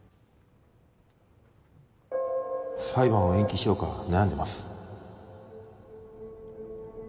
裁判を延期しようか悩んでます